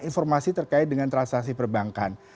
informasi terkait dengan transaksi perbankan